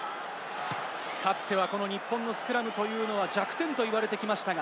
かつては日本のスクラムは弱点と言われてきました。